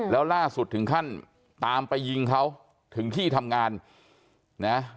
แล้วล่าสุดถึงขั้นตามไปยิงเขาถึงที่ทำงานนะ